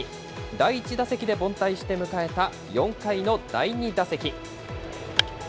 第１打席で凡退して迎えた４回の第２打席。